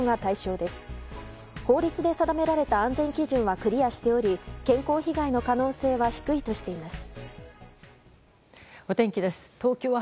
法律で定められた安全基準はクリアしており健康被害の可能性は低いとしています。